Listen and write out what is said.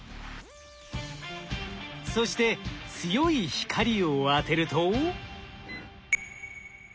そして強い光を当てると。